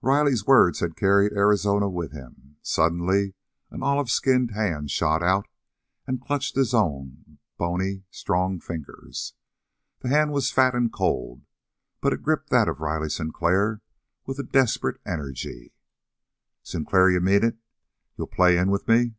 Riley's words had carried Arizona with him. Suddenly an olive skinned hand shot out and clutched his own bony, strong fingers. The hand was fat and cold, but it gripped that of Riley Sinclair with a desperate energy. "Sinclair, you mean it? You'll play in with me?"